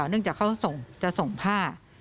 เนื่องจากเขาจะส่งผ้า